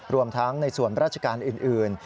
รวมทั้งในส่วนราชการอื่น